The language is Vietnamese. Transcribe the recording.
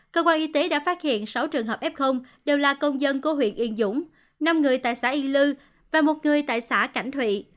cơ quan y tế đã phát hiện sáu trường hợp f đều là công dân của huyện yên dũng năm người tại xã y lư và một người tại xã cảnh thụy